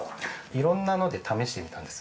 ◆いろんなので試してみたんです。